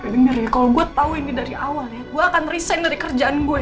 dengerin kalau gue tau ini dari awal ya gue akan resign dari kerjaan gue